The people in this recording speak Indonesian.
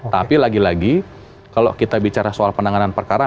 tapi lagi lagi kalau kita bicara soal penanganan perkara